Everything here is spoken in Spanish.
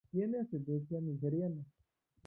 Tiene ascendencia nigeriana.